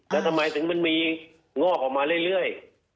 แล้วทำไมถึงมันมีงอกออกมาเรื่อย